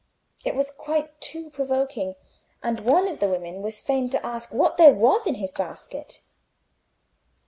It was quite too provoking, and one of the women was fain to ask what there was in his basket?